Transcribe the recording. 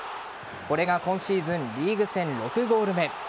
これが今シーズンリーグ戦６ゴール目。